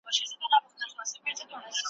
ایا ستا زوی هره ورځ په خپل وخت کاره راځي؟